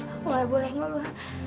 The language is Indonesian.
aku gak boleh ngeluh